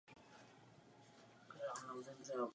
Tato situace se krizí jen vyostřila.